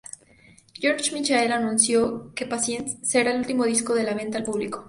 George Michael anunció que "Patience" será el último disco a la venta al público.